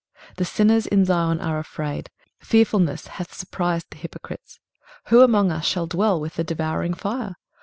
23:033:014 The sinners in Zion are afraid; fearfulness hath surprised the hypocrites. Who among us shall dwell with the devouring fire?